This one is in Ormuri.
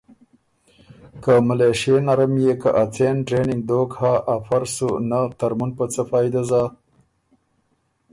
که ملېشئے نرم يې که ا څېن ټرېننګ دوک هۀ افۀ ر سُو نۀ ترمُن په څۀ فائدۀ زا